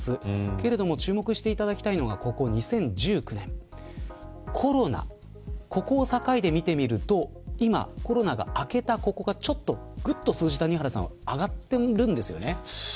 けれども注目していただきたいのが２０１９年コロナを境で見てみると今、コロナが明けたここがちょっと数字が上がってるんですね。